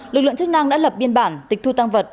lực lượng chức năng đã lập biên bản tịch thu tăng vật